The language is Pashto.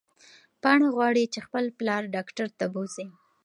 پاڼه غواړي چې خپل پلار ډاکټر ته بوځي.